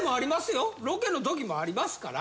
ロケの時もありますから。